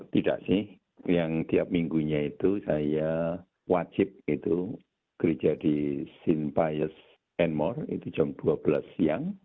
tidak sih yang tiap minggunya itu saya wajib itu gereja di sinpias enmore itu jam dua belas siang